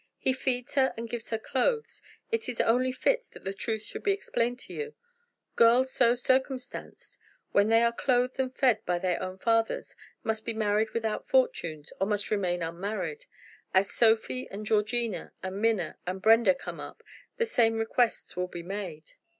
He feeds her and gives her clothes. It is only fit that the truth should be explained to you. Girls so circumstanced, when they are clothed and fed by their own fathers, must be married without fortunes or must remain unmarried. As Sophie, and Georgina, and Minna, and Brenda come up, the same requests will be made."